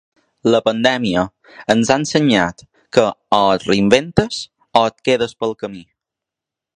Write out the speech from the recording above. La pandèmia ens ha ensenyat que o et reinventes o et quedes pel camí